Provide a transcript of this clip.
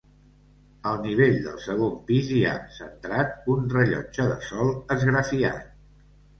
Al nivell del segon pis hi ha, centrat, un rellotge de sol esgrafiat.